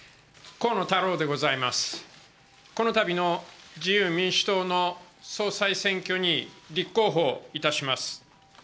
河野太郎でございます、このたびの自由民主党の総裁選挙に立候補いたします。